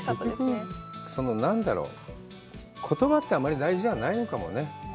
結局、何だろう、言葉ってあまり大事じゃないのかもね。